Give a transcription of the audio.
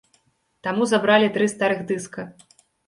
Таму забралі тры старых дыска.